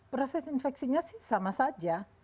proses infeksinya sih sama saja